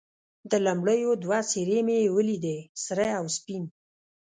د لومړیو دوو څېرې مې یې ولیدې، سره او سپین.